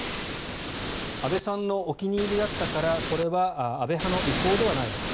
安倍さんのお気に入りだったからこれは安倍派の意向ではないのか。